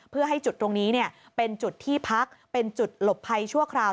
เพื่อให้จุดตรงนี้เป็นจุดที่พักเป็นจุดหลบภัยชั่วคราว